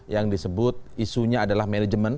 yang disebut isunya adalah manajemen